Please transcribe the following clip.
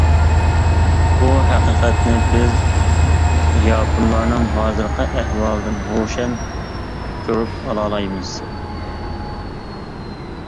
بۇ ھەقىقەتنى بىز ياپونلارنىڭ ھازىرقى ئەھۋالىدىن روشەن كۆرۈپ ئالالايمىز.